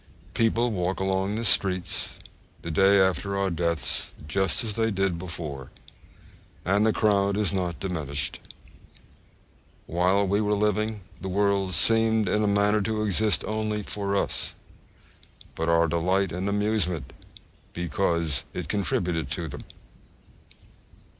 _ People walk along the streets the day after our deaths just as they did before, and the crowd is not diminished. While we were living, the world seemed in a manner to exist only for us, for our delight and amusement, because it contributed to them.